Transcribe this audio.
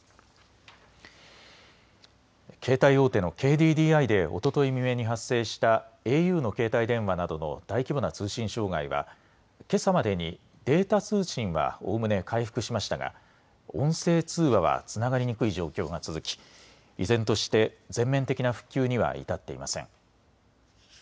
携帯大手のＫＤＤＩでおととい未明に発生したａｕの携帯電話などの大規模な通信障害は、けさまでにデータ通信はおおむね回復しましたが音声通話はつながりにくい状況が続き依然として全面的な復旧には至っていません。